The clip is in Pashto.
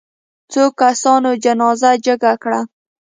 څو کسانو جنازه جګه کړه.